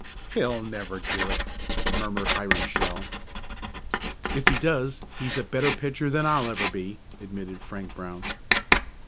"He'll never do it," murmured Hiram Shell. "If he does he's a better pitcher than I'll ever be," admitted Frank Brown.